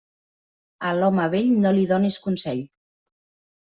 A l'home vell no li donis consell.